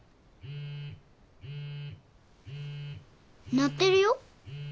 鳴ってるよ？